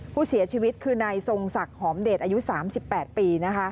ผู้เสียชีวิตคือนายทรงศักดิ์หอมเดชอายุ๓๘ปี